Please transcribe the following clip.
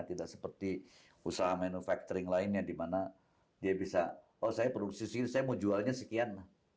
tidak seperti usaha manufacturing lainnya dimana dia bisa oh saya produksi segitu saya mau jualnya sekian